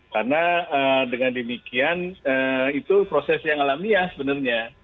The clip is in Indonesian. karena dengan demikian itu proses yang alamiah sebenarnya